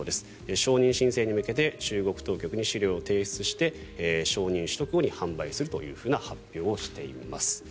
承認申請に向けて中国当局に資料を提出して承認取得後に販売するという発表をしています。